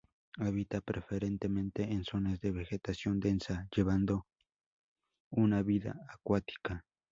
Habita preferentemente en zonas de vegetación densa, llevando una vida acuática.